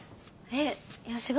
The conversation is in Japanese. えっ！？